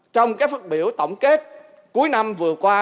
trong các phát biểu tổng kết cuối năm vừa qua